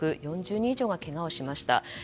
４０人以上がけがをしました。